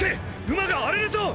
馬が荒れるぞ！！